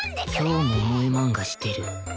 今日も萌え漫画してる